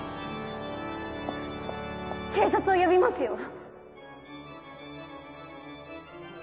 警察を呼びますよ